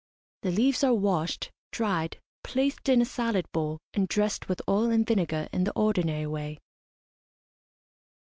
The leaves are washed, dried, placed in a salad bowl, and dressed with oil and vinegar in the ordinary way.